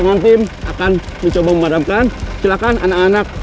sekarang saya langsung jalan ya